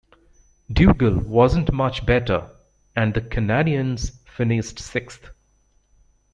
Dugal wasn't much better and the Canadiens finished sixth.